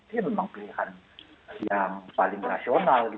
dia memang pilihan yang paling rasional